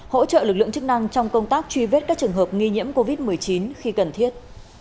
hỗ trợ lực lượng chức năng trong công tác truy vết các trường hợp nghi nhiễm covid một mươi chín khi cần thiết